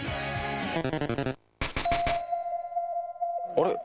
「あれ？